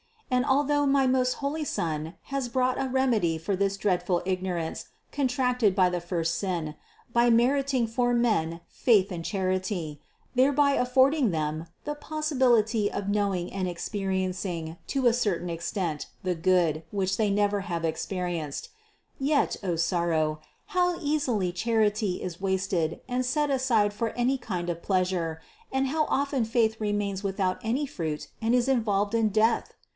And although my most holy Son has brought a remedy for this dread ful ignorance contracted by the first sin, by meriting for men faith and charity, thereby affording them the pos sibility of knowing and experiencing to a certain extent the Good, which they never have experienced; yet, O sorrow, how easily charity is wasted and set aside for any kind of pleasure, and how often faith remains with out any fruit and is involved in death